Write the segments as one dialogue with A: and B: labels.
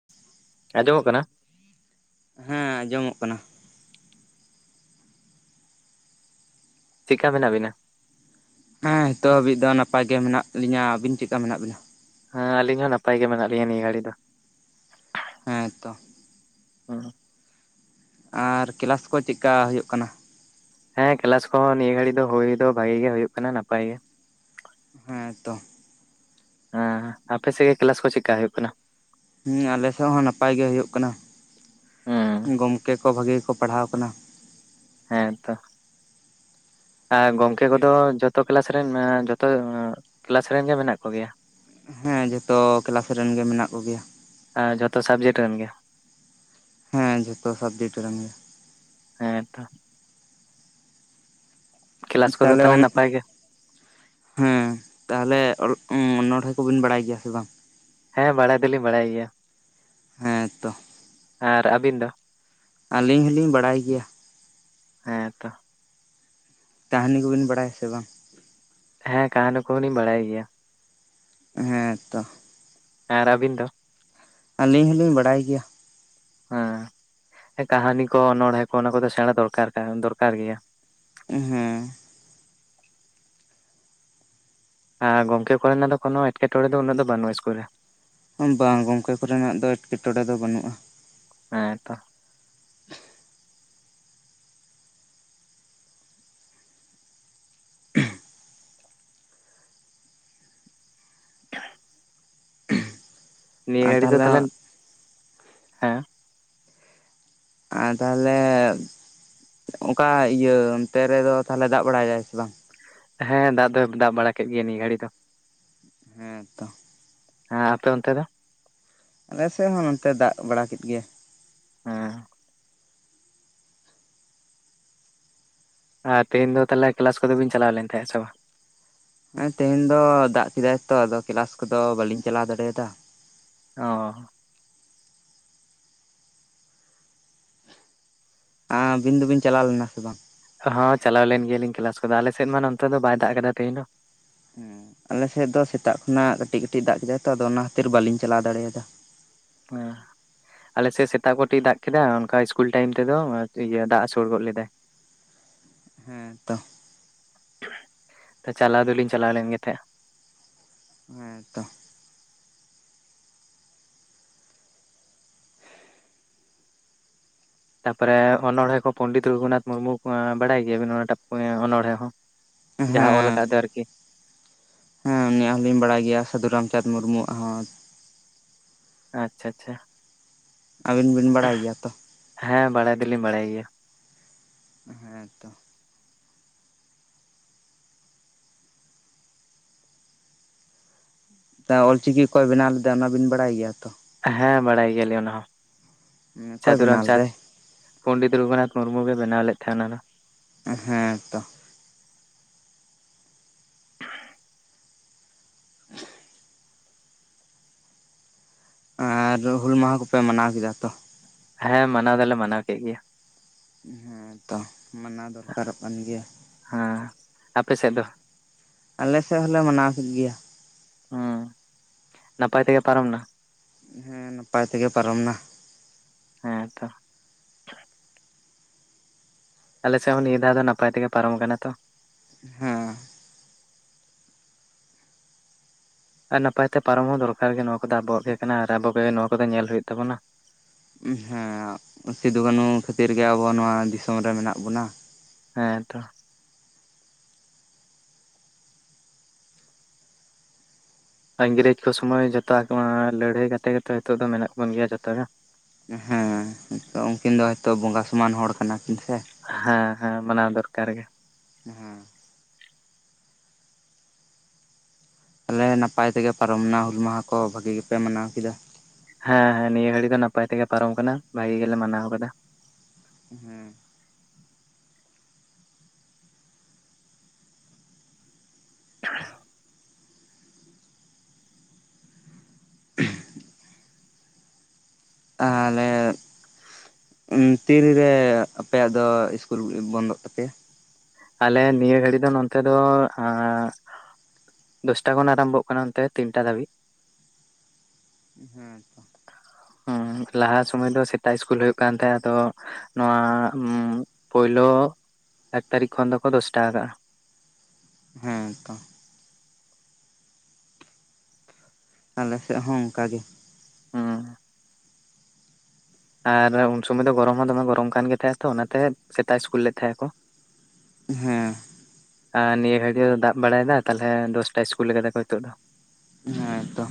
A: [unintelligible]
B: ᱟᱸᱡᱚᱢᱚᱜ ᱠᱟᱱᱟ
A: ᱦᱮᱸ ᱟᱸᱡᱚᱢᱚᱜ ᱠᱟᱱᱟ
B: ᱪᱮᱠᱟ ᱢᱮᱱᱟᱜ ᱵᱤᱱᱟ?
A: ᱦᱮᱸ ᱱᱤᱛᱚᱜ ᱦᱟᱵᱤᱡ ᱫᱚ ᱱᱟᱯᱟᱭ ᱜᱮ ᱢᱮᱱᱟᱜ ᱞᱤᱧᱟ᱾ ᱟᱵᱤᱱ ᱪᱮᱫᱠᱟ ᱢᱮᱱᱟᱜ ᱵᱤᱱᱟ?
B: ᱦᱮᱸ ᱟᱞᱤᱧ ᱦᱚᱸ ᱱᱟᱯᱟᱭ ᱜᱮ ᱢᱮᱱᱟᱜ ᱞᱤᱧᱟ ᱱᱤᱭᱟᱹ ᱜᱷᱟᱲᱤ ᱫᱚ᱾
A: ᱦᱮᱸᱛᱚ
B: ᱦᱩᱸ
A: ᱟᱨ ᱠᱮᱞᱟᱥ ᱠᱚ ᱪᱮᱫᱠᱟ ᱦᱩᱭᱩᱜ ᱠᱟᱱᱟ?
B: ᱦᱮᱸ ᱠᱞᱟᱥ ᱠᱚᱦᱚᱸ ᱱᱤᱭᱟᱹ ᱜᱷᱟᱲᱤᱡ ᱫᱚ ᱦᱩᱭ ᱫᱚ ᱵᱷᱟᱜᱤ ᱜᱮ ᱦᱩᱭᱩᱜ ᱠᱟᱱᱟ ᱱᱟᱯᱟᱭ ᱜᱮ᱾
A: ᱦᱮᱸ ᱛᱚ
B: ᱦᱮᱸ ᱟᱯᱮ ᱥᱮᱜ ᱜᱮ ᱠᱞᱟᱥ ᱠᱚ ᱪᱮᱜᱠᱟ ᱦᱳᱭᱳᱜ ᱠᱟᱱᱟ?
A: ᱦᱮ ᱟᱞᱮ ᱥᱮᱫ ᱦᱚᱸ ᱱᱟᱯᱟᱭ ᱜᱮ ᱦᱳᱭᱳᱜ ᱠᱟᱱᱟ
B: ᱦᱩᱸ
A: ᱜᱚᱝᱠᱮ ᱠᱚ ᱵᱷᱟᱜᱮ ᱜᱮ ᱠᱚ ᱯᱟᱲᱦᱟᱣ ᱠᱟᱱᱟ᱾
B: ᱦᱮᱸᱛᱚ ᱦᱮ ᱜᱚᱢᱠᱮ ᱠᱚᱫᱚ ᱡᱚᱛᱚ ᱠᱮᱞᱟᱥ ᱨᱮᱱ ᱡᱚᱛᱚ ᱠᱮᱞᱟᱥ ᱨᱮᱱ ᱜᱮ ᱢᱮᱱᱟᱜ ᱠᱚᱜᱮᱭᱟ᱾
A: ᱦᱮᱸ ᱡᱚᱛᱚ ᱠᱮᱞᱟᱥ ᱨᱮᱱ ᱜᱮ ᱢᱮᱱᱟᱜ ᱠᱚᱜᱮᱭᱟ᱾
B: ᱦᱮ ᱡᱚᱛᱟ ᱥᱟᱵᱡᱮᱠᱴ ᱨᱮᱱ ᱜᱮ᱾
A: ᱦᱮᱸ ᱡᱷᱚᱛᱚ ᱥᱟᱵᱡᱮᱠᱴ ᱨᱮᱱ ᱜᱮ᱾
B: ᱦᱮᱸ ᱛᱚ ᱠᱮᱞᱟᱥ ᱠᱚᱫᱚ
A: ᱛᱟᱦᱚᱞᱮ ᱚᱱ
B: ᱱᱟᱯᱟᱭ ᱜᱮ
A: ᱦᱮᱸ ᱛᱟᱦᱚᱞᱮ ᱚᱱᱚᱲᱦᱮ ᱠᱚᱵᱤᱱ ᱵᱟᱲᱟᱭ ᱜᱮᱭᱟ ᱥᱮ ᱵᱟᱝ?
B: ᱦᱮᱸ ᱵᱟᱲᱟᱭ ᱫᱚᱞᱤᱧ ᱵᱟᱲᱟᱭ ᱜᱮᱭᱟ,
A: ᱦᱮᱸ ᱛᱚ
B: ᱟᱨ ᱟᱵᱤᱱ ᱫᱚ?
A: ᱟᱞᱤᱧ ᱦᱚᱞᱤᱧ ᱵᱟᱲᱟᱭ ᱜᱮᱭᱟ᱾
B: ᱦᱮᱸᱛᱚ
A: ᱛᱟᱹᱦᱱᱤ ᱠᱚᱵᱤᱱ ᱵᱟᱲᱟᱭᱟ ᱥᱮ ᱵᱟᱝ?
B: ᱦᱮᱸ ᱠᱟᱦᱱᱤ ᱠᱚᱦᱚ ᱞᱤᱧ ᱵᱟᱲᱟᱭ ᱜᱮᱭᱟ᱾
A: ᱦᱮᱸᱛᱚ᱾
B: ᱦᱮᱸ ᱟᱨ ᱟᱵᱤᱱ ᱫᱚ?
A: ᱟᱞᱤᱧ ᱦᱚᱞᱤᱧ ᱵᱟᱰᱟᱭ ᱜᱮᱭᱟ᱾
B: ᱦᱮᱸ ᱠᱟᱦᱱᱤ ᱠᱚ ᱚᱱᱚᱬᱦᱮᱸ ᱠᱚ ᱚᱱᱟ ᱠᱚᱫᱚ ᱥᱮᱬᱟ ᱫᱚᱨᱠᱟᱨ ᱠᱟᱱ ᱫᱚᱨᱠᱟᱨ ᱜᱮᱭᱟ᱾
A: ᱦᱩᱸ
B: ᱟᱨ ᱜᱚᱝᱠᱮ ᱠᱚᱨᱮᱱᱟᱜ ᱫᱚ ᱠᱚᱱᱚ ᱮᱴᱠᱮᱴᱚᱬᱮ ᱫᱚ ᱩᱱᱟᱹᱜ ᱫᱚ ᱵᱟᱱᱩᱜᱼᱟ ᱤᱥᱠᱩᱞ ᱨᱮ
A: ᱵᱟᱝ ᱜᱚᱝᱠᱮ ᱠᱚᱨᱮᱱᱟᱜ ᱫᱚ ᱮᱴᱠᱮᱴᱚᱬᱮ ᱫᱚ ᱵᱟᱹᱱᱩᱜᱼᱟ᱾
B: ᱦᱮᱸ ᱛᱚ ᱱᱤᱭᱟᱹ ᱜᱷᱟᱹᱲᱤ ᱫᱚ ᱛᱟᱦᱚᱞᱮ ᱦᱮᱸ᱾
A: ᱟᱨ ᱛᱟᱦᱚᱞᱮ, ᱚᱱᱠᱟ ᱤᱭᱟᱹ ᱚᱱᱛᱮ ᱨᱮᱫᱚ ᱛᱟᱦᱚᱞᱮ ᱫᱟᱜ ᱵᱟᱲᱟᱭᱫᱟᱭ ᱥᱮ ᱵᱟᱝ?
B: ᱦᱮᱸ ᱫᱟᱜ ᱫᱚᱭ ᱫᱟᱜ ᱵᱟᱲᱟ ᱠᱮᱫ ᱜᱮᱭᱟ ᱱᱤᱭᱟᱹ ᱜᱷᱟᱹᱲᱤ ᱫᱚ᱾
A: ᱦᱮᱸ ᱛᱚ
B: ᱦᱮᱸ ᱟᱯᱮ ᱚᱱᱛᱮ ᱫᱚ?
A: ᱟᱞᱮ ᱥᱮᱜ ᱦᱚᱸ ᱱᱚᱱᱛᱮ ᱫᱟᱜ ᱵᱟᱲᱟ ᱠᱮᱫ ᱜᱮᱭᱟ᱾
B: ᱦᱮᱸ ᱾ ᱟᱨ ᱛᱮᱦᱮᱧ ᱫᱚ ᱛᱟᱞᱦᱮ ᱠᱮᱞᱟᱥ ᱠᱚᱫᱚ ᱵᱤᱱ ᱪᱟᱞᱟᱣ ᱞᱮᱱ ᱛᱟᱦᱮᱸᱜ ᱥᱮ ᱵᱟᱝ?
A: ᱦᱮᱸ ᱛᱮᱦᱮᱧ ᱫᱚ ᱫᱟᱜ ᱠᱮᱫᱟᱭ ᱛᱚ ᱟᱫᱚ ᱠᱮᱞᱟᱥ ᱠᱚᱫᱚ ᱵᱟᱞᱤᱧ ᱪᱟᱞᱟᱣ ᱫᱟᱲᱮᱭᱟᱫᱟ ᱾
B: ᱚ ᱻᱻ
A: ᱟᱹᱵᱤᱱ ᱫᱚᱵᱤᱱ ᱪᱟᱞᱟᱣ ᱞᱮᱱᱟ ᱥᱮ ᱵᱟᱝ?
B: ᱦᱚᱸ ᱪᱟᱞᱟᱣ ᱞᱮᱱ ᱜᱮᱭᱟᱞᱤᱧ ᱠᱮᱞᱟᱥ ᱠᱚᱫᱚ ᱟᱞᱮ ᱥᱮᱫ ᱢᱟ ᱱᱚᱛᱮ ᱫᱚ ᱵᱟᱭ ᱫᱟᱜ ᱠᱟᱫᱟ ᱛᱮᱦᱮᱧ ᱫᱚ ᱾
A: ᱦᱮᱸ ᱟᱞᱮᱥᱮᱫ ᱫᱚ ᱥᱮᱛᱟᱜ ᱠᱷᱚᱱᱟᱜ ᱠᱟᱹᱴᱤᱡ ᱠᱟᱹᱴᱤᱡ ᱫᱟᱜ ᱠᱮᱫᱟᱭ ᱛᱚ ᱟᱫᱚ ᱚᱱᱟ ᱠᱷᱛᱤᱨ ᱵᱟᱞᱤᱧ ᱪᱟᱞᱟᱣ ᱫᱟᱲᱮᱭᱟ ᱫᱟ ᱾
B: ᱦᱮᱸ ᱾ ᱟᱞᱮᱥᱮᱫ ᱥᱮᱛᱟᱜ ᱠᱟᱴᱤᱡ ᱫᱟᱜ ᱠᱮᱫᱟᱭ ᱚᱱᱠᱟ ᱤᱥᱠᱩᱞ ᱴᱟᱭᱤᱢ ᱛᱮᱫᱚ ᱤᱭᱟᱹ ᱫᱟᱜ ᱦᱥᱩᱲ ᱜᱚᱫ ᱞᱮᱫᱟ ᱾
A: ᱦᱮᱸ ᱛᱚ ᱼᱼ
B: ᱪᱟᱞᱟᱣ ᱫᱚᱞᱤᱧ ᱪᱟᱞᱟᱣ ᱞᱮᱱ ᱜᱮ ᱛᱟᱦᱮᱜ ᱾
A: ᱦᱮᱸ ᱛᱚ ᱾
B: ᱛᱟᱯᱚᱨᱮ ᱚᱱᱚᱬᱦᱮ ᱠᱚ ᱯᱚᱱᱰᱤᱛ ᱨᱚᱜᱷᱩᱱᱟᱛᱷ ᱢᱩᱨᱢᱩ ᱵᱟᱲᱟᱭ ᱜᱮᱭᱟᱵᱤᱱ ᱚᱱᱟ ᱢᱟᱜ ᱚᱱᱚᱬᱦᱮ ᱦᱚᱸ? ᱡᱟᱦᱟᱸ ᱚᱞ
A: ᱦᱮᱸ
B: ᱟᱠᱟᱫ ᱫᱚ ᱟᱨᱠᱤ ᱾
A: ᱦᱮᱸ ᱩᱱᱤᱭᱟᱜ ᱦᱚᱸᱞᱤᱧ ᱵᱟᱲᱟᱭ ᱜᱮᱭᱟ ᱥᱟᱹᱫᱷᱩ ᱨᱟᱢᱪᱟᱸᱫᱽ ᱢᱩᱨᱢᱩ ᱣᱟᱜ ᱦᱚᱸ ᱾
B: ᱟᱪᱪᱷᱟ ᱟᱪᱪᱷᱟ ᱾
A: ᱟᱹᱵᱤᱱ ᱵᱤᱱ ᱵᱟᱲᱟᱭ ᱜᱮᱭᱟ ᱛᱚ ᱾
B: ᱦᱮᱸ ᱵᱟᱲᱟᱭ ᱫᱚᱞᱤᱧ ᱵᱟᱲᱟᱭ ᱜᱮᱭᱟ ᱾
A: ᱦᱮᱸ ᱛᱚ ᱾ ᱫᱟ ᱚᱞ ᱪᱤᱠᱤ ᱚᱠᱚᱭ ᱵᱮᱱᱟᱣ ᱞᱮᱫᱟ ᱚᱱᱟᱵᱤᱱ ᱵᱟᱲᱟᱭ ᱜᱮᱭᱟ ᱛᱚ?
B: ᱦᱮᱸ ᱵᱟᱲᱟᱭ ᱜᱮᱭᱟᱞᱮ ᱚᱱᱟ ᱦᱚᱸ
A: ᱚᱠᱚᱭ
B: ᱥᱟᱹᱫᱷᱩ
A: ᱵᱮᱱᱟᱣ
B: ᱨᱟᱢᱪᱟᱸᱫᱽ
A: ᱞᱮᱫᱟᱭ?
B: ᱾ ᱯᱚᱱᱰᱤᱛ ᱨᱚᱜᱷᱩᱱᱟᱛᱷ ᱢᱩᱨᱢᱩ ᱜᱮ ᱵᱮᱱᱟᱣ ᱞᱮᱫ ᱛᱟᱦᱮᱱᱟ ᱚᱱᱟ ᱾
A: ᱦᱮᱸ ᱛᱚ ᱾ ᱟᱨ ᱦᱩᱞ ᱢᱟᱦᱟ ᱠᱚᱯᱮ ᱢᱟᱱᱟᱣ ᱠᱮᱫᱟ ᱛᱚ?
B: ᱦᱮᱸ ᱢᱟᱱᱟᱣ ᱫᱚᱞᱮ ᱢᱟᱱᱟᱣ ᱠᱮᱜ ᱜᱮᱭᱟ ᱾
A: ᱦᱮᱸ ᱛᱚ ᱢᱟᱱᱟᱣ ᱫᱚᱨᱠᱟᱨᱚᱜ ᱠᱟᱱ ᱜᱮᱭᱟ ᱾
B: ᱦᱮᱸ ᱟᱯᱮ ᱥᱮᱫ ᱫᱚ ᱼᱼ
A: ᱟᱞᱮ ᱥᱮᱫ ᱦᱚᱞᱮ ᱢᱟᱱᱟᱣ ᱠᱮᱫ ᱜᱮᱭᱟ ᱾
B: ᱦᱚᱸ ᱱᱟᱯᱟᱭ ᱛᱮᱜᱮ ᱯᱟᱨᱚᱢ ᱱᱟ?
A: ᱦᱮᱸ ᱱᱟᱯᱟᱭ ᱛᱮᱜᱮ ᱯᱟᱨᱚᱢ ᱱᱟ ᱾
B: ᱦᱮᱸ ᱛᱚ ᱾ ᱟᱞᱮᱥᱮᱜ ᱦᱚᱸ ᱱᱤᱭᱟᱹ ᱫᱷᱟᱣ ᱫᱚ ᱱᱟᱯᱟᱭ ᱛᱮᱜᱮ ᱯᱟᱨᱚᱢ ᱠᱟᱱᱟ ᱛᱚ ᱾
A: ᱦᱮᱸ ᱾
B: ᱟᱨ ᱱᱟᱯᱟᱭ ᱛᱮ ᱯᱟᱨᱚᱢ ᱦᱚᱸ ᱫᱚᱨᱠᱟᱨ ᱜᱮ ᱱᱚᱣᱟ ᱠᱚᱫᱚ ᱟᱵᱚᱣᱟᱜ ᱜᱮ ᱠᱟᱱᱟ ᱟᱨ ᱟᱵᱚ ᱠᱚ ᱜᱮ ᱱᱚᱣᱟ ᱠᱚᱫᱚ ᱧᱮᱞ ᱦᱩᱭᱩᱜ ᱛᱟᱵᱚᱱᱟ ᱾
A: ᱦᱮᱸ ᱥᱤᱫᱩ ᱠᱟᱹᱱᱩ ᱠᱷᱟᱹᱛᱤᱨ ᱜᱮ ᱟᱵᱚ ᱟᱜ ᱱᱚᱣᱟ ᱫᱤᱥᱚᱢ ᱨᱮ ᱢᱮᱱᱟᱜ ᱵᱚᱱᱟ ᱾
B: ᱦᱮᱸ ᱛᱚ ᱾ ᱤᱝᱨᱮᱡᱽ ᱠᱚ ᱥᱚᱢᱚᱭ ᱡᱚᱛᱚ ᱞᱟᱹᱲᱦᱟᱹᱭ ᱠᱟᱛᱮ ᱜᱮᱛᱚ ᱱᱤᱛᱚᱜ ᱫᱚ ᱢᱮᱱᱟᱜ ᱵᱚᱱ ᱜᱮᱭᱟ ᱡᱚᱛᱚ ᱜᱮ ᱾
A: ᱦᱮᱸ ᱾ ᱛᱚ ᱩᱱᱠᱤᱱ ᱫᱚ ᱦᱚᱭᱛᱚ ᱵᱚᱸᱜᱟ ᱥᱚᱢᱟᱱ ᱦᱚᱲ ᱠᱟᱱᱟ ᱠᱤᱱ ᱥᱮ ᱾
B: ᱦᱮᱸ ᱦᱮᱸ ᱢᱟᱱᱟᱣ ᱫᱚᱨᱠᱟᱨ ᱜᱮ ᱾
A: ᱦᱮᱸ ᱛᱟᱞᱮ ᱱᱟᱯᱟᱭ ᱛᱮᱜᱮ ᱯᱟᱨᱚᱢᱱᱟ ᱦᱩᱞ ᱢᱟᱦᱟ ᱠᱚ ᱵᱷᱟᱹᱜᱤ ᱜᱮᱯᱮ ᱢᱟᱱᱟᱣ ᱠᱮᱫᱟ᱾
B: ᱦᱮᱸ ᱱᱤᱭᱟᱹ ᱜᱷᱟᱹᱲᱤ ᱫᱚ ᱱᱟᱯᱟᱭ ᱛᱮᱜᱮ ᱯᱟᱨᱚᱢ ᱠᱟᱱᱟ ᱵᱷᱟᱜᱤ ᱜᱮᱞᱮ ᱢᱟᱱᱟᱣ ᱠᱟᱫᱟ ᱾
A: ᱦᱮᱸ ᱾ ᱛᱟᱦᱟᱞᱮ ᱼᱼ ᱛᱤ ᱨᱮ ᱟᱯᱮᱭᱟᱜ ᱫᱚ ᱤᱥᱠᱩᱞ ᱵᱚᱱᱫᱚᱜ ᱛᱟᱯᱮᱭᱟ
B: ᱟᱞᱮ ᱱᱤᱭᱟᱹ ᱜᱷᱟᱹᱲᱤᱡ ᱫᱚ ᱱᱚᱛᱮ ᱫᱚ [inaudible] ᱫᱚᱥᱴᱟ ᱠᱷᱚᱱ ᱟᱨᱟᱢᱵᱚᱜ ᱠᱟᱱᱟ ᱚᱱᱛᱮ ᱛᱤᱱᱴᱟ ᱫᱷᱟᱹᱵᱤᱡ
A: ᱦᱚᱸ
B: ᱦᱩᱸ ᱞᱟᱦᱟ ᱥᱩᱢᱟᱹᱭ ᱫᱚ ᱥᱮᱛᱟᱜ ᱤᱥᱠᱩᱞ ᱦᱳᱭᱳᱜ ᱠᱟᱱ ᱛᱟᱦᱮᱸᱜ ᱟᱫᱚ ᱱᱚᱣᱟ ᱯᱳᱭᱞᱳ ᱮᱠ ᱛᱟᱹᱨᱤᱠ ᱠᱷᱚᱱ ᱫᱚᱠᱚ ᱫᱚᱥᱴᱟ ᱠᱟᱜᱼᱟ᱾
A: ᱦᱮᱸ ᱛᱚ ᱟᱞᱮ ᱥᱮᱜ ᱦᱚᱸ ᱚᱝᱠᱟ ᱜᱮ᱾
B: ᱦᱩᱸ ᱟᱨ ᱩᱱ ᱥᱩᱢᱟᱹᱭ ᱫᱚ ᱜᱚᱨᱚᱢ ᱦᱚᱸ ᱫᱚᱢᱮ ᱜᱚᱨᱚᱢ ᱠᱟᱱ ᱜᱮ ᱛᱟᱦᱮᱸᱜᱼᱟ ᱛᱚ ᱚᱱᱟ ᱛᱮ ᱥᱮᱛᱟᱜ ᱥᱠᱩᱞ ᱞᱮᱫ ᱛᱟᱦᱮᱜ ᱟᱠᱚ᱾
A: ᱦᱮᱸ
B: ᱟ ᱱᱤᱭᱟᱹ ᱜᱷᱟᱹᱲᱤ ᱫᱚ ᱫᱟᱜ ᱵᱟᱲᱟᱭᱫᱟ ᱛᱟᱦᱞᱮ ᱫᱚᱥᱴᱟ ᱤᱥᱠᱩᱞ ᱠᱟᱫᱟ ᱠᱚ ᱱᱤᱛᱚᱜ ᱫᱚ ᱾
A: ᱦᱮᱸ ᱛᱚ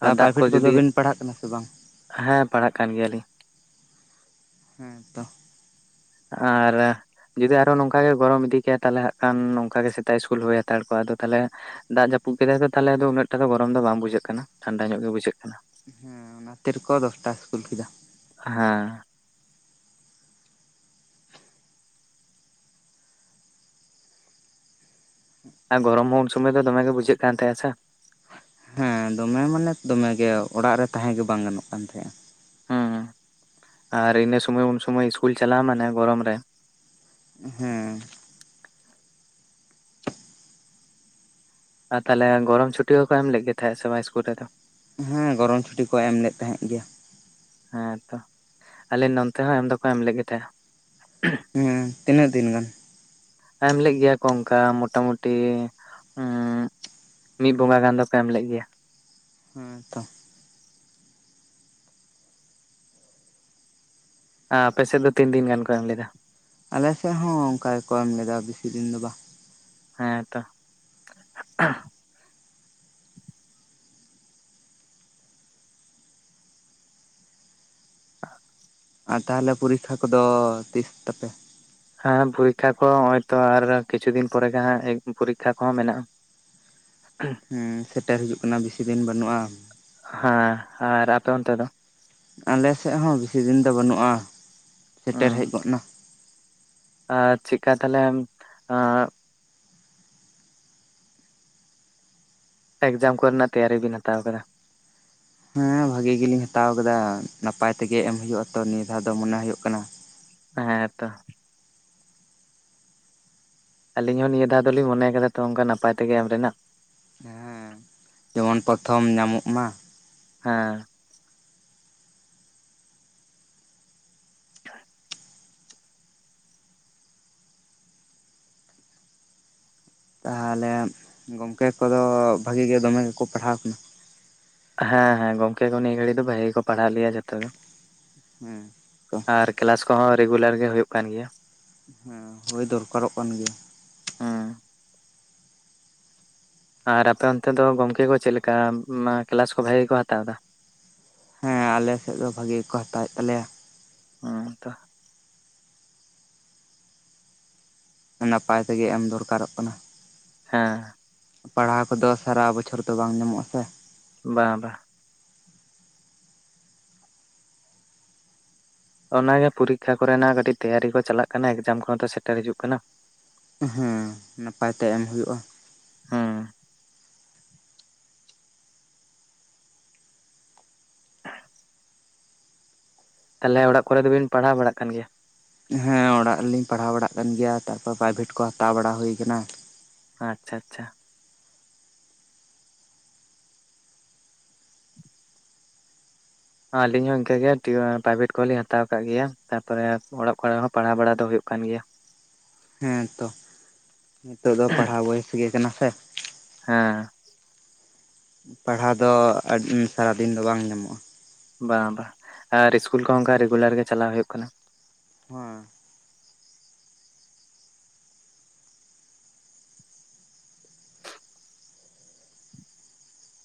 A: ᱛᱟ
B: ᱟᱨ ᱫᱟᱜ ᱠᱚ
A: ᱯᱟᱭᱵᱷᱮᱴ ᱠᱚᱫᱚ
B: ᱡᱩᱫᱤ
A: ᱵᱤᱱ ᱯᱟᱲᱦᱟᱜ ᱠᱟᱱᱟ ᱥᱮ ᱵᱟᱝ?
B: ᱦᱮᱸ ᱯᱟᱲᱦᱟᱜ ᱠᱟᱱ ᱜᱮᱭᱟ ᱞᱤᱧ᱾
A: ᱦᱮᱸ ᱛᱚ
B: ᱟᱨ ᱡᱩᱫᱤ ᱟᱨᱦᱚᱸ ᱱᱚᱝᱠ ᱜᱮ ᱜᱚᱨᱚᱢ ᱤᱫᱤ ᱠᱮᱭᱟ ᱛᱟᱦᱞᱮ ᱦᱟᱸᱜ ᱠᱷᱟᱱ ᱱᱚᱝᱱᱠᱟ ᱜᱮ ᱥᱮᱛᱟᱜ ᱥᱠᱩᱞ ᱦᱳᱭ ᱦᱟᱛᱟᱲ ᱠᱚᱼᱟ ᱟᱫᱚ ᱛᱟᱦᱞᱮ ᱫᱟᱜ ᱡᱟᱹᱯᱩᱫ ᱠᱮᱫᱟᱭ ᱛᱚ ᱛᱟᱦᱞᱮ ᱩᱱᱟᱹᱜ ᱴᱟ ᱫᱚ ᱜᱚᱨᱚᱢ ᱫᱚ ᱵᱟᱝ ᱵᱩᱡᱷᱟᱹᱜ ᱠᱟᱱᱟ ᱴᱷᱟᱱᱰᱟ ᱧᱚᱜ ᱜᱮ ᱵᱩᱡᱷᱟᱹᱜ ᱠᱟᱱᱟ᱾
A: ᱦᱮᱸ ᱚᱱᱟ ᱠᱷᱟᱛᱤᱨ ᱠᱚ ᱫᱚᱥᱴᱟ ᱤᱥᱠᱩᱞ ᱠᱮᱫᱟ᱾
B: ᱦᱮᱸ ᱟᱨ ᱜᱚᱨᱚᱢ ᱦᱚᱸ ᱩᱱ ᱥᱚᱢᱚᱭ ᱫᱚᱢᱮ ᱜᱮ ᱵᱩᱡᱷᱟᱹᱜ ᱠᱟᱱ ᱛᱟᱦᱮᱸᱜᱼᱟ ᱥᱮ᱾
A: ᱦᱮᱸ ᱫᱚᱢᱮ ᱢᱟᱱᱮ ᱫᱚᱢᱮ ᱜᱮ ᱚᱲᱟᱜ ᱨᱮ ᱛᱟᱦᱮᱸ ᱜᱮ ᱵᱟᱝ ᱜᱟᱱᱚᱜ ᱠᱟᱱ ᱛᱟᱦᱮᱸᱜᱼᱟ᱾
B: ᱦᱩᱸ ᱟᱨ ᱤᱱᱟᱹ ᱥᱩᱢᱟᱹᱭ ᱩᱱ ᱥᱩᱢᱟᱹᱭ ᱤᱥᱠᱩᱞ ᱪᱟᱞᱟᱜᱼᱟ ᱢᱟᱱᱮ ᱜᱚᱨᱚᱢ ᱨᱮ
A: ᱦᱩᱸ
B: ᱟᱨ ᱛᱟᱦᱞᱮ ᱜᱚᱨᱚᱢ ᱪᱷᱩᱴᱤ ᱦᱚᱸᱠᱚ ᱮᱢ ᱞᱮᱫ ᱜᱮ ᱛᱟᱦᱮᱸᱜ ᱥᱮ ᱵᱟᱝ ᱤᱥᱠᱩᱞ ᱨᱮᱫᱚ?
A: ᱦᱮᱸ ᱜᱚᱨᱚᱢ ᱪᱷᱩᱴᱤ ᱠᱚ ᱮᱢ ᱞᱮᱫ ᱛᱟᱦᱮᱸᱫ ᱜᱮᱭᱟ᱾
B: ᱦᱮᱸᱛᱚ ᱟᱞᱮ ᱱᱚᱱᱛᱮ ᱦᱚᱸ ᱮᱢ ᱫᱚᱠᱚ ᱮᱢ ᱞᱮᱫ ᱜᱮ ᱛᱟᱦᱮᱸᱜ ᱾
A: ᱦᱩᱸ ᱛᱤᱱᱟᱹᱜ ᱫᱤᱱ ᱜᱟᱱ?
B: ᱮᱢ ᱞᱮᱫ ᱜᱮᱭᱟ ᱠᱚ ᱚᱝᱠᱟ ᱢᱚᱴᱟ ᱢᱩᱴᱤ ᱩᱸᱜ ᱢᱤᱜ ᱵᱚᱸᱜᱟ ᱜᱟᱱ ᱫᱚᱠᱚ ᱮᱢ ᱞᱮᱜ ᱜᱮᱭᱟ᱾
A: ᱦᱮᱸ ᱛᱚ
B: ᱟᱯᱮ ᱥᱮᱜ ᱫᱚ ᱛᱤᱱ ᱫᱤᱱ ᱜᱟᱱ ᱠᱚ ᱮᱢ ᱞᱮᱫᱟ?
A: ᱟᱞᱮ ᱥᱮᱫ ᱦᱚᱸ ᱚᱝᱠᱟ ᱜᱮᱠᱚ ᱮᱢ ᱞᱮᱫᱟ ᱵᱤᱥᱤ ᱫᱤᱱ ᱫᱚ ᱵᱟ᱾
B: ᱦᱮᱸ ᱛᱚ [unintelligible]
A: ᱟᱨ ᱛᱟᱦᱞᱮ ᱯᱚᱨᱤᱠᱠᱷᱟ ᱠᱚᱫᱚ ᱛᱤᱥ ᱛᱟᱯᱮ?
B: ᱦᱮᱸ ᱯᱚᱨᱤᱠᱠᱷᱟ ᱠᱚ ᱦᱚᱜᱼᱚᱭ ᱛᱚ ᱟᱨ ᱠᱤᱪᱷᱩ ᱫᱤᱱ ᱯᱚᱨᱮ ᱜᱮ ᱦᱟᱸᱜ ᱯᱚᱨᱤᱠᱠᱷᱟ ᱠᱚᱦᱚᱸ ᱢᱮᱱᱟᱜᱼᱟ᱾ [inaudible]
A: ᱦᱩᱸ ᱥᱮᱴᱮᱨ ᱦᱤᱡᱩᱜ ᱠᱟᱱᱟ ᱵᱤᱥᱤ ᱫᱤᱱ ᱵᱟᱹᱱᱩᱜᱼᱟ᱾
B: ᱦᱟᱸ ᱟᱨ ᱟᱯᱮ ᱚᱱᱛᱮ ᱫᱚ?
A: ᱟᱞᱮ ᱥᱮᱜ ᱦᱚᱸ ᱵᱤᱥᱤ ᱫᱤᱱ ᱫᱚ ᱵᱟᱹᱱᱩᱜᱼᱟ, ᱥᱮᱴᱮᱨ
B: ᱦᱩᱸ
A: ᱦᱮᱡ ᱜᱚᱫ ᱱᱟ᱾
B: ᱟᱨ ᱪᱮᱜᱠᱟ ᱛᱟᱦᱞᱮᱢ ᱟᱸ ᱮᱠᱡᱟᱢ ᱠᱚᱨᱮ ᱱᱟᱜ ᱛᱮᱭᱟᱨᱤ ᱵᱤᱱ ᱦᱟᱛᱟᱣ ᱠᱟᱫᱟ᱾
A: ᱦᱮᱸ ᱵᱷᱟᱹᱜᱮ ᱜᱮᱞᱤᱧ ᱦᱟᱛᱟᱣ ᱠᱟᱫᱟ ᱱᱟᱯᱟᱭ ᱛᱮᱜᱮ ᱮᱢ ᱦᱩᱭᱳᱜ-ᱟ ᱛᱚ ᱱᱤᱭᱟᱹ ᱫᱷᱟᱣ ᱫᱚ ᱢᱚᱱᱮ ᱦᱩᱭᱩᱜ ᱠᱟᱱᱟ
B: ᱦᱮᱸ ᱛᱚ ᱟᱞᱤᱧ ᱦᱚᱸ ᱱᱤᱭᱟᱹ ᱫᱷᱟᱣ ᱫᱚᱞᱤᱧ ᱢᱚᱱᱮ ᱠᱟᱫᱟ ᱛᱚ ᱚᱱᱠᱟ ᱱᱟᱯᱟᱭ ᱛᱮᱜᱮ ᱮᱢ ᱨᱮᱱᱟᱜ᱾
A: ᱦᱮᱸ ᱡᱮᱢᱚᱱ ᱯᱚᱛᱷᱚᱢ ᱧᱟᱢᱚᱜ ᱢᱟ᱾
B: ᱦᱮᱸ [inaudible]
A: ᱛᱟᱦᱚᱞᱮ ᱜᱚᱝᱠᱮ ᱠᱚᱫᱚ ᱵᱷᱟᱹᱜᱤ ᱜᱮ ᱫᱚᱢᱮ ᱜᱮᱠᱚ ᱯᱟᱲᱦᱟᱣ
B: ᱦᱮᱸ ᱦᱮᱸ ᱜᱚᱝᱠᱮ ᱠᱚ ᱱᱤᱭᱟᱹ ᱜᱷᱟᱹᱲᱤ ᱫᱚ ᱵᱷᱟᱜᱮ ᱜᱮᱠᱚ ᱯᱟᱲᱦᱟᱜ ᱞᱮᱭᱟ ᱡᱷᱚᱛᱚ ᱜᱮ᱾
A: ᱦᱩᱸ ᱛᱚ
B: ᱟᱨ ᱠᱮᱞᱟᱥ ᱠᱚᱦᱚᱸ ᱨᱮᱜᱩᱞᱟᱨ ᱜᱮ ᱦᱩᱭᱩᱜ ᱠᱟᱱ ᱜᱮᱭᱟ
A: ᱦᱮᱸ ᱦᱳᱭ ᱫᱚᱨᱠᱟᱨᱚᱜ ᱠᱟᱱ ᱜᱮᱭᱟ
B: ᱦᱩᱸ ᱟᱨ ᱟᱯᱮ ᱚᱱᱛᱮ ᱫᱚ ᱜᱚᱝᱠᱮ ᱠᱚ ᱪᱮᱫ ᱞᱮᱠᱟ ᱠᱮᱞᱟᱥ ᱠᱚ ᱵᱷᱟᱜᱮ ᱜᱮ ᱠᱚ ᱦᱟᱛᱟᱣ ᱫᱟ
A: ᱦᱮᱸ ᱟᱞᱮᱥᱮᱫ ᱫᱚ ᱵᱷᱟᱜᱤ ᱜᱮᱠᱚ ᱦᱟᱛᱟᱣᱮᱫ ᱛᱟᱞᱮᱭᱟ
B: ᱦᱮᱸ ᱛᱚ
A: ᱱᱟᱯᱟᱭ ᱛᱮᱜᱮ ᱮᱢ ᱫᱚᱨᱠᱟᱨᱚᱜ ᱠᱟᱱᱟ
B: ᱦᱮᱸ
A: ᱯᱟᱲᱦᱟᱣ ᱠᱚᱫᱚ ᱥᱟᱨᱟ ᱵᱚᱪᱷᱚᱨ ᱫᱚ ᱵᱟᱝ ᱧᱟᱢᱚᱜ-ᱟ ᱥᱮ
B: ᱵᱟᱝ ᱵᱟᱝ ᱚᱱᱟᱜᱮ ᱯᱚᱨᱤᱠᱠᱷᱟ ᱠᱚᱨᱮᱱᱟᱜ ᱠᱟᱹᱴᱤᱡ ᱛᱮᱭᱟᱨᱤ ᱠᱚ ᱪᱟᱞᱟᱜ ᱠᱟᱱᱟ ᱮᱠᱡᱟᱢ ᱠᱚᱦᱚᱸᱛᱚ ᱥᱮᱴᱮᱨ ᱦᱤᱡᱩᱜ ᱠᱟᱱᱟ
A: ᱦᱮᱸ ᱱᱟᱯᱟᱭ ᱛᱮ ᱮᱢ ᱦᱩᱭᱩᱜᱼᱟ
B: ᱦᱩᱸ ᱛᱟᱞᱦᱮ ᱚᱲᱟᱜ ᱠᱚᱨᱮ ᱫᱚᱵᱤᱱ ᱯᱟᱲᱦᱟᱣ ᱵᱟᱲᱟᱜ ᱠᱟᱱ ᱜᱮᱭᱟ
A: ᱦᱮᱸ ᱚᱲᱟᱜ ᱨᱮᱞᱤᱧ ᱯᱟᱲᱦᱟᱣ ᱵᱟᱲᱟᱜ ᱠᱟᱱ ᱜᱮᱭᱟ ᱛᱟᱨᱯᱚᱨ ᱯᱨᱟᱭᱵᱷᱮᱴ ᱠᱚ ᱦᱟᱛᱟᱣ ᱵᱟᱲᱟ ᱦᱩᱭ ᱟᱠᱟᱱᱟ
B: ᱟᱪᱪᱷᱟ ᱟᱪᱪᱷᱟ ᱟᱪᱪᱷᱟ ᱟᱞᱤᱧ ᱦᱚᱸ ᱤᱱᱠᱟᱹᱜᱮ ᱯᱨᱟᱭᱵᱷᱮᱴ ᱠᱚᱦᱚᱸᱞᱤᱧ ᱦᱟᱛᱟᱣ ᱟᱠᱟᱫ ᱜᱮᱭᱟ ᱛᱟᱨᱯᱚᱨᱮ ᱚᱲᱟᱜ ᱠᱚᱨᱮ ᱦᱚᱸ ᱯᱟᱲᱦᱟᱣ ᱵᱟᱲᱟ ᱫᱚ ᱦᱩᱭᱩᱜ ᱠᱟᱱ ᱜᱮᱭᱟ
A: ᱦᱮᱸᱛᱚ ᱱᱤᱛᱳᱜ ᱫᱚ ᱯᱟᱲᱦᱟᱣ ᱵᱚᱭᱮᱥ ᱜᱮ ᱠᱟᱱᱟ ᱥᱮ
B: ᱦᱮᱸ
A: ᱯᱟᱲᱦᱟᱣ ᱫᱚ ᱟᱰᱤ ᱥᱟᱨᱟᱫᱤᱱ ᱫᱚ ᱵᱟᱝ ᱧᱟᱢᱚᱜᱼᱟ
B: ᱵᱟᱝ ᱵᱟᱝ ᱟᱨ ᱤᱥᱠᱩᱞ ᱠᱚᱦᱚᱸ ᱚᱱᱠᱟ ᱨᱮᱜᱩᱞᱟᱨ ᱜᱮ ᱪᱟᱞᱟᱣ ᱦᱩᱭᱩᱜ ᱠᱟᱱᱟ
A: ᱦᱮᱸ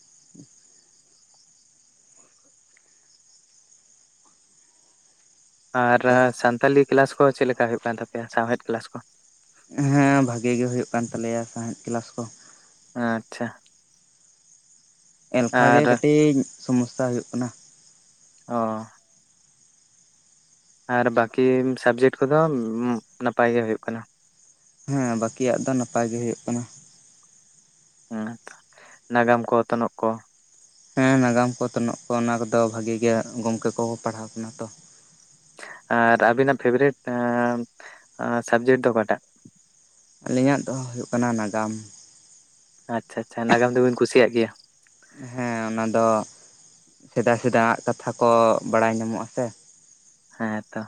A: [inaudible]
B: ᱟᱨ ᱥᱟᱱᱛᱟᱞᱤ ᱠᱮᱞᱟᱥ ᱠᱚ ᱪᱮᱫ ᱞᱮᱠᱟ ᱦᱩᱭᱩᱜ ᱠᱟᱱ ᱛᱟᱯᱮᱭᱟ ᱥᱟᱶᱦᱮᱫ ᱠᱮᱞᱟᱥ ᱠᱚ
A: ᱦᱮᱸ ᱵᱷᱟᱜᱤ ᱜᱮ ᱦᱩᱭᱩᱜ ᱠᱟᱱ ᱛᱟᱞᱮᱭᱟ ᱥᱟᱦᱮᱫ ᱠᱮᱞᱟᱥ ᱠᱚ
B: ᱟᱪᱪᱷᱟ
A: ᱮᱞᱠᱷᱟ ᱜᱮ
B: ᱟᱨ
A: ᱠᱟᱹᱴᱤᱡ ᱥᱚᱢᱚᱥᱟ ᱦᱩᱭᱩᱜ ᱠᱟᱱᱟ
B: ᱚ ᱟᱨ ᱵᱟᱠᱤ ᱥᱟᱵᱽᱡᱮᱠᱴ ᱠᱚᱫᱚ ᱱᱟᱯᱟᱭ ᱜᱮ ᱦᱩᱭᱩᱜ ᱠᱟᱱᱟ
A: ᱦᱮᱸ ᱵᱟᱠᱤᱭᱟᱜ ᱫᱚ ᱱᱟᱯᱟᱭ ᱜᱮ ᱦᱩᱭᱩᱜ ᱠᱟᱱᱟ
B: ᱦᱮᱸ ᱱᱟᱜᱟᱢ ᱠᱚ ᱚᱛᱱᱚᱜ ᱠᱚ
A: ᱦᱮᱸ ᱱᱟᱜᱟᱢ ᱠᱚ ᱚᱛᱱᱚᱜ ᱠᱚ ᱚᱱᱟ ᱠᱚᱫᱚ ᱵᱷᱟᱜᱤ ᱜᱮ ᱜᱚᱝᱠᱮ ᱠᱚ ᱯᱟᱲᱦᱟᱣ ᱠᱟᱱᱟ ᱛᱚ
B: ᱟᱨ ᱟᱵᱤᱱᱟᱜ ᱯᱷᱮᱵᱟᱨᱮᱴ ᱥᱟᱵᱡᱮᱠᱴ ᱫᱚ ᱚᱠᱟᱴᱟᱜ
A: ᱟᱹᱞᱤᱧᱟᱜ ᱫᱚ ᱦᱩᱭᱩᱜ ᱠᱟᱱᱟ ᱱᱟᱜᱟᱢ
B: ᱟᱪᱪᱷᱟ ᱟᱪᱪᱷᱟ ᱱᱟᱜᱟᱢ ᱫᱚᱵᱤᱧ ᱠᱩᱥᱤᱭᱟᱜ ᱜᱮᱭᱟ
A: ᱦᱮᱸ ᱚᱱᱟ ᱫᱚ ᱥᱮᱫᱟᱭ ᱥᱮᱫᱟᱭᱟᱜ ᱠᱟᱛᱷᱟ ᱠᱚ ᱵᱟᱲᱟᱭ ᱧᱟᱢᱚᱜᱼᱟ ᱥᱮ
B: ᱦᱮᱸ ᱛᱚ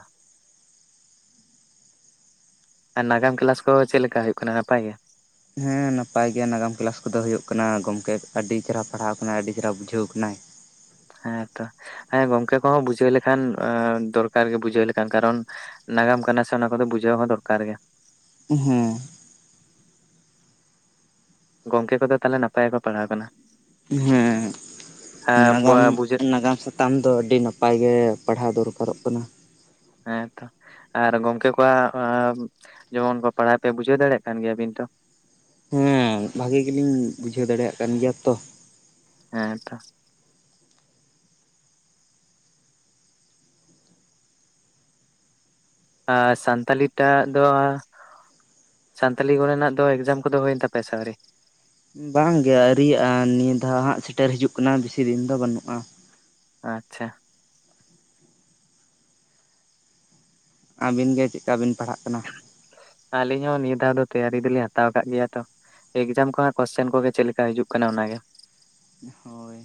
B: ᱟᱨ ᱱᱟᱜᱟᱢ ᱠᱮᱞᱟᱥ ᱠᱚ ᱪᱮᱫ ᱞᱮᱠᱟ ᱦᱩᱭᱩᱜ ᱠᱟᱱᱟ ᱱᱟᱯᱟᱭ ᱜᱮ
A: ᱦᱮᱸ ᱱᱟᱯᱟᱭ ᱜᱮᱭᱟ ᱱᱟᱜᱟᱢ ᱠᱮᱞᱟᱥ ᱠᱚᱫᱚ ᱦᱩᱭᱩᱜ ᱠᱟᱱᱟ ᱜᱚᱝᱠᱮ ᱟᱹᱰᱤ ᱪᱮᱦᱨᱟ ᱯᱟᱲᱦᱟᱣ ᱠᱟᱱᱟᱭ ᱟᱹᱰᱤ ᱪᱮᱨᱦᱟ ᱵᱩᱡᱷᱟᱹᱣ ᱠᱟᱱᱟᱭ
B: ᱦᱮᱸᱛᱚ ᱦᱮᱸ ᱜᱚᱝᱠᱮ ᱠᱚᱦᱚᱸ ᱵᱩᱡᱷᱟᱹᱣ ᱞᱮᱠᱷᱟᱱ ᱫᱚᱨᱠᱟᱨ ᱜᱮ ᱵᱩᱡᱷᱟᱹᱣ ᱞᱮᱠᱷᱟᱱ ᱠᱟᱨᱚᱱ ᱱᱟᱜᱟᱢ ᱠᱟᱱᱟ ᱥᱮ ᱚᱱᱟ ᱠᱚᱫᱚ ᱵᱩᱡᱷᱟᱹᱣ ᱦᱚᱸ ᱫᱚᱨᱠᱟᱨ ᱜᱮ
A: ᱦᱩᱸ
B: ᱜᱚᱝᱠᱮ ᱠᱚᱫᱚ ᱛᱟᱞᱦᱮ ᱱᱟᱯᱟᱭ ᱜᱮᱠᱚ ᱯᱟᱲᱦᱟᱣ ᱠᱟᱱᱟ
A: ᱦᱮᱸ ᱱᱟᱜᱟᱢ
B: ᱟᱨ ᱵᱩᱡᱷᱟᱹᱜ
A: ᱱᱟᱜᱟᱢ ᱥᱟ ᱛᱟᱢ ᱫᱚ ᱟᱹᱰᱤ ᱱᱟᱯᱟᱭ ᱜᱮ ᱯᱟᱲᱦᱟᱣ ᱫᱚᱨᱠᱟᱨᱚᱜ ᱠᱟᱱᱟ
B: ᱦᱮᱸ ᱛᱚ ᱟᱨ ᱜᱚᱝᱠᱮ ᱠᱚᱣᱟᱜ ᱡᱮᱢᱚᱱ ᱠᱚ ᱯᱟᱲᱦᱟᱣ ᱯᱮᱭᱟ ᱵᱩᱡᱷᱟᱹᱣ ᱫᱟᱲᱮᱭᱟᱜ ᱠᱟᱱ ᱜᱮᱭᱟ ᱵᱤᱱ ᱛᱚ
A: ᱦᱩᱸ ᱵᱷᱟᱜᱤ ᱜᱮᱞᱤᱧ ᱵᱩᱡᱷᱟᱹᱣ ᱫᱟᱲᱮᱭᱟᱜ ᱠᱟᱱ ᱜᱮᱭᱟ ᱛᱚ
B: ᱦᱮᱸ ᱛᱚ ᱟᱨ ᱥᱟᱱᱛᱟᱞᱤ ᱴᱟᱜ ᱫᱚ ᱥᱟᱱᱛᱟᱞᱤ ᱠᱚᱨᱮᱱᱟᱜ ᱫᱚ ᱮᱠᱡᱟᱢ ᱠᱚᱫᱚ ᱦᱩᱭᱮᱱ ᱛᱟᱯᱮᱭᱟ ᱥᱮ ᱟᱹᱨᱤ
A: ᱵᱟᱝ ᱜᱮ ᱟᱹᱨᱤᱭᱟᱜᱼᱟ ᱱᱤᱭᱟᱹ ᱫᱷᱟᱣ ᱦᱟᱸᱜ ᱥᱮᱴᱮᱨ ᱦᱤᱡᱩᱜ ᱠᱟᱱᱟ ᱵᱮᱥᱤ ᱫᱤᱱ ᱫᱚ ᱵᱟᱹᱱᱩᱜᱼᱟ
B: ᱟᱪᱪᱷᱟ
A: ᱟᱹᱵᱤᱱ ᱜᱮ ᱪᱮᱫᱠᱟ ᱵᱤᱱ ᱯᱟᱲᱦᱟᱜ ᱠᱟᱱᱟ
B: ᱟᱹᱞᱤᱧ ᱦᱚᱸ ᱱᱤᱭᱟᱹ ᱫᱷᱟᱣ ᱫᱚ ᱛᱮᱭᱟᱨᱤ ᱫᱚᱞᱤᱧ ᱦᱟᱛᱟᱣ ᱠᱟᱜ ᱜᱮᱭᱟ ᱛᱚ ᱮᱠᱡᱟᱢ ᱠᱚᱦᱟᱸᱜ ᱠᱚᱥᱪᱮᱱ ᱠᱚᱜᱮ ᱪᱮᱫ ᱞᱮᱠᱟ ᱦᱤᱡᱩᱜ ᱠᱟᱱᱟ ᱚᱱᱟ ᱜᱮ
A: ᱦᱳᱭ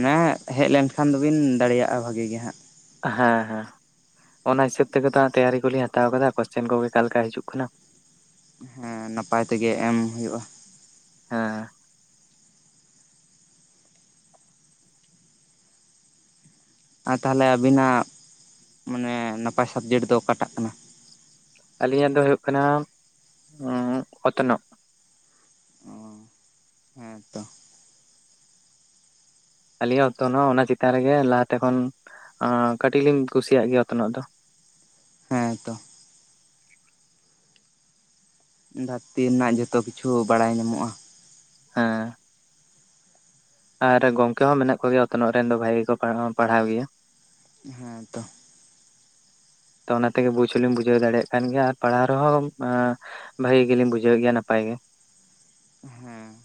A: ᱢᱟᱱᱮ ᱦᱮᱡ ᱞᱮᱱᱠᱷᱟᱱ ᱫᱚᱵᱤᱱ ᱫᱟᱲᱮᱭᱟᱜᱼᱟ ᱵᱷᱟᱜᱤ ᱜᱮ ᱦᱟᱸᱜ
B: ᱦᱮᱸ ᱦᱮᱸ ᱚᱱᱟ ᱦᱤᱥᱟᱹᱵ ᱛᱮᱜᱮ ᱫᱚ ᱛᱮᱭᱟᱨᱤ ᱠᱚᱞᱤᱧ ᱦᱟᱛᱟᱣ ᱠᱟᱫᱟ ᱠᱚᱥᱪᱮᱱ ᱠᱚᱜᱮ ᱟᱠᱟ ᱞᱮᱠᱟ ᱦᱤᱡᱩᱜ ᱠᱟᱱᱟ
A: ᱦᱮᱸ ᱱᱟᱯᱟᱭ ᱛᱮᱜᱮ ᱮᱢ ᱦᱩᱭᱩᱜᱼᱟ
B: ᱦᱮᱸ
A: ᱟᱨ ᱛᱟᱦᱚᱞᱮ ᱟᱵᱤᱱᱟᱜ ᱢᱟᱱᱮ ᱱᱟᱯᱟᱭ ᱥᱟᱵᱽᱡᱮᱠᱴ ᱫᱚ ᱚᱠᱟᱴᱟᱜ ᱠᱟᱱᱟ
B: ᱟᱹᱞᱤᱧᱟᱜ ᱫᱚ ᱦᱩᱭᱩᱜ ᱠᱟᱱᱟ ᱚᱛᱱᱚᱜ
A: ᱚ ᱦᱮᱸ ᱛᱚ
B: ᱟᱹᱞᱤᱧᱟᱜ ᱚᱛᱱᱚᱜ ᱚᱱᱟ ᱪᱮᱛᱟᱱ ᱨᱮᱜᱮ ᱞᱟᱦᱟᱛᱮ ᱠᱷᱚᱱ ᱠᱟᱹᱴᱤᱡ ᱞᱤᱧ ᱠᱩᱥᱤᱭᱟᱜ ᱜᱮᱭᱟ ᱚᱛᱱᱚᱜ ᱫᱚ
A: ᱦᱮᱸ ᱛᱚ ᱫᱷᱟᱹᱨᱛᱤ ᱨᱮᱱᱟᱜ ᱡᱷᱚᱛᱚ ᱠᱤᱪᱷᱩ ᱵᱟᱲᱟᱭ ᱧᱟᱢᱚᱜᱼᱟ
B: ᱦᱮᱸ ᱟᱨ ᱜᱚᱝᱠᱮ ᱦᱚᱸ ᱢᱮᱱᱟᱜ ᱠᱚ ᱜᱮᱭᱟ ᱚᱛᱱᱚᱜ ᱨᱮᱱ ᱫᱚ ᱵᱷᱟᱜᱮ ᱠᱚ ᱯᱟᱲᱦᱟᱣ ᱜᱮᱭᱟ
A: ᱦᱮᱸ ᱛᱚ
B: ᱛᱚ ᱚᱱᱟ ᱛᱮᱜᱮ ᱵᱩᱡᱽ ᱦᱚᱸᱞᱤᱧ ᱵᱩᱡᱷᱟᱹᱣ ᱫᱟᱲᱮᱜ ᱠᱟᱱ ᱜᱮᱭᱟ ᱟᱨ ᱯᱟᱲᱦᱟᱣ ᱨᱮᱦᱚᱸ ᱵᱷᱟᱜᱤ ᱜᱮᱞᱤᱧ ᱵᱩᱡᱷᱟᱹᱣ ᱜᱮᱭᱟ ᱱᱟᱯᱟᱭ ᱜᱮ
A: ᱦᱮᱸ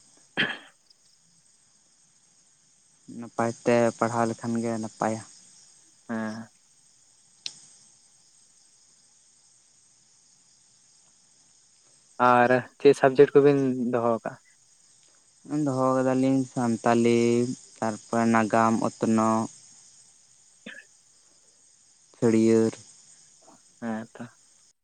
A: ᱱᱟᱯᱟᱭ ᱛᱮ ᱯᱟᱲᱦᱟᱣ ᱞᱮᱠᱷᱟᱱ ᱜᱮ ᱱᱟᱯᱟᱭᱟ
B: ᱦᱮᱸ ᱟᱨ ᱪᱮᱫ ᱥᱟᱵᱽᱡᱮᱴ ᱠᱚᱵᱤᱱ ᱫᱚᱦᱚ ᱠᱟᱜᱼᱟ
A: ᱫᱚᱦᱚ ᱠᱟᱫᱟᱞᱤᱧ ᱥᱟᱱᱛᱟᱞᱤ ᱛᱟᱨᱯᱚᱨᱮ ᱱᱟᱜᱟᱢ ᱚᱛᱱᱚᱜ
B: [unintelligible]
A: ᱥᱟᱹᱲᱭᱟᱹᱨ
B: ᱦᱮᱸ ᱛᱚ